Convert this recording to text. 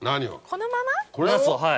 このまま？